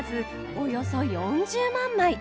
およそ４０万枚！